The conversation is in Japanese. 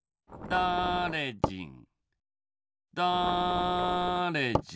だれじんだれじ